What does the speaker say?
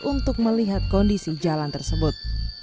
untuk melihat kondisi jalan tersebut